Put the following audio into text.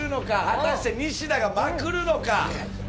果たしてニシダまくるのか。